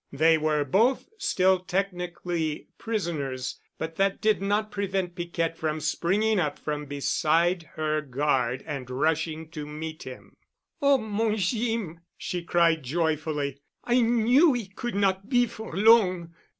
They were both still technically prisoners, but that did not prevent Piquette from springing up from beside her guard and rushing to meet him. "Oh, mon Jeem!" she cried joyfully. "I knew it could not be for long."